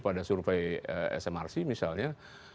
pada survei smrc misalnya